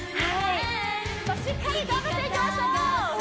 しっかり頑張っていきましょう